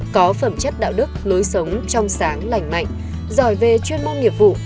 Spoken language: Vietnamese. có phẩm chất đạo đức lối sống trong sáng lành mạnh giỏi về chuyên môn nghiệp vụ